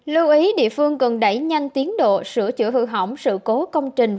lưu ý địa phương cần đẩy nhanh tiến độ sửa chữa hư hỏng sự cố công trình